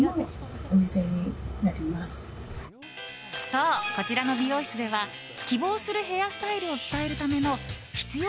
そう、こちらの美容室では希望するヘアスタイルを伝えるための必要